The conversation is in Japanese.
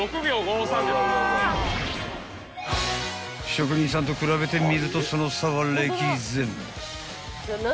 ［職人さんと比べてみるとその差は歴然］